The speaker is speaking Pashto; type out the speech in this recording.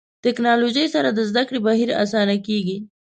ټکنالوژي سره د زده کړو بهیر اسانه کېږي.